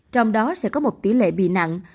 trong đó sẽ có một tỷ lệ bị nặng